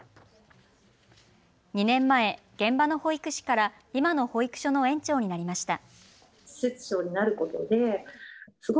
２年前、現場の保育士から今の保育所の園長になりました。